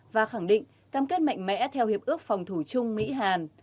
và khẳng định cam kết mạnh mẽ theo hiệp ước phòng thủ chung mỹ hàn